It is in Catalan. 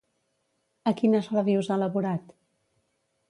A quines ràdios ha laborat?